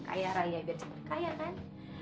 kaya raya dan cepat kaya kan